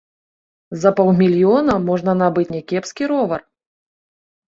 За паўмільёна можна набыць някепскі ровар.